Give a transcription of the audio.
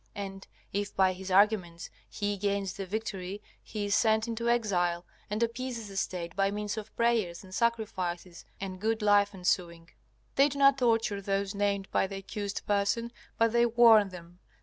And if by his arguments he gains the victory he is sent into exile, and appeases the State by means of prayers and sacrifices and good life ensuing. They do not torture those named by the accused person, but they warn them.